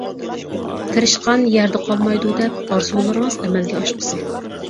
تىرىشقان يەردە قالمايدۇ دەپ، ئارزۇلىرىڭىز ئەمەلگە ئاشقۇسى!